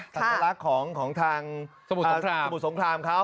สัญลักษณ์ของทางสมุทรสงครามเขา